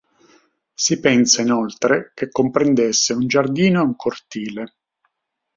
Si pensa inoltre che comprendesse un giardino e un cortile.